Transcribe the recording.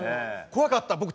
怖かった。